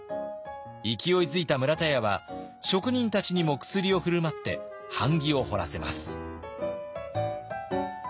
勢いづいた村田屋は職人たちにも薬を振る舞って版木を彫らせます。